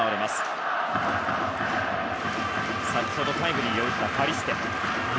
打席には、先ほどタイムリーを打ったカリステ。